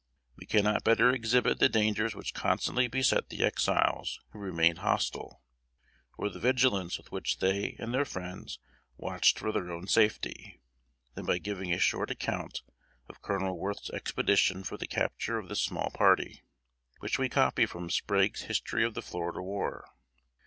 We cannot better exhibit the dangers which constantly beset the Exiles who remained hostile, or the vigilance with which they and their friends watched for their own safety, than by giving a short account of Colonel Worth's expedition for the capture of this small party, which we copy from Sprague's History of the Florida War.